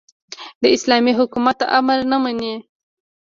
د اسلامي حکومت امر نه مني.